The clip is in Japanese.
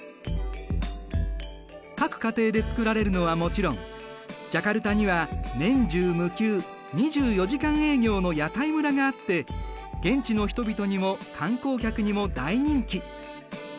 各家庭で作られるのはもちろんジャカルタには年中無休２４時間営業の屋台村があって現地の人々にも観光客にも大人気。